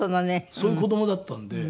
そういう子どもだったんで。